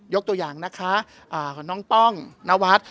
ยกตัวอย่างนะคะน้องป้องนวัฒน์